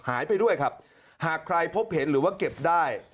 หายไปด้วยครับหากใครพบเห็นหรือว่าเก็บได้